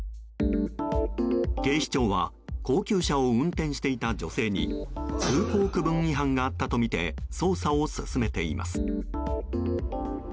警視庁は高級車を運転していた女性に通行区分違反があったとみて捜査を進めています。